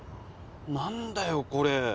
何だよこれ！？